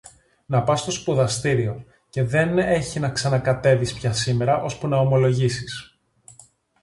Να πας στο σπουδαστήριο, και δεν έχει να ξανακατέβεις πια σήμερα, ώσπου να ομολογήσεις.